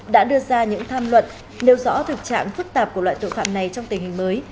đã đưa ra những tham luận nêu rõ thực trạng phức tạp của loại tội phạm này trong tình hình mới